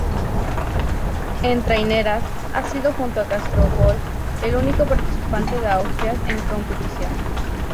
En traineras, ha sido junto a Castropol el único participante de Asturias en competición.